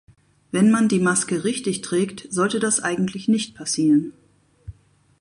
Wenn man die Maske richtig trägt, sollte das eigentlich nicht passieren.